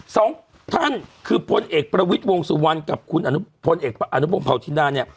สองท่านคือพลเอกประวิทย์วงสุวรรณกับคุณอานุพงศ์เผาจินดา